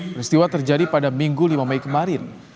peristiwa terjadi pada minggu lima mei kemarin